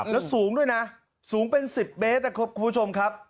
แล้วสูงด้วยนะสูงเป็น๑๐เมตรนะครับคุณผู้ชมครับ